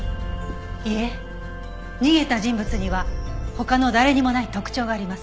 いえ逃げた人物には他の誰にもない特徴があります。